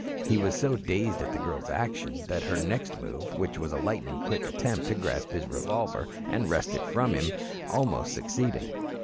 He was so dazed at the girl's action that her next move, which was a lightning quick attempt to grasp his revolver and wrest it from him, almost succeeded.